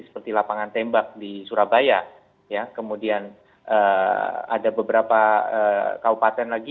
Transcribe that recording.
seperti lapangan tembak di surabaya kemudian ada beberapa kabupaten lagi